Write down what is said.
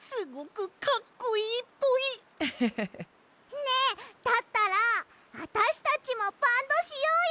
ねえだったらあたしたちもバンドしようよ！